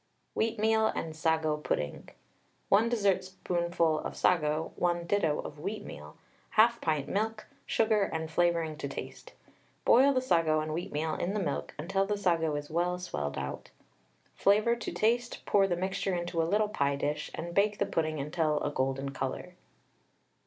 WHEATMEAL AND SAGO PUDDING. 1 dessertspoonful of sago, 1 ditto of wheatmeal, 1/2 pint milk, sugar and flavouring to taste. Boil the sago and wheatmeal in the milk until the sago is well swelled out. Flavour to taste, pour the mixture into a little pie dish, and bake the pudding until a golden colour.